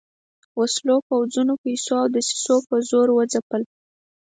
وسلو، پوځونو، پیسو او دسیسو په زور وځپل.